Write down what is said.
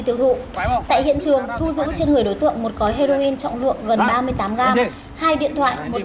tại hiện trường thu giữ trên người đối tượng một cói heroin trọng lượng gần ba mươi tám gram hai điện thoại một xe máy và một mươi chín triệu đồng tiền mặt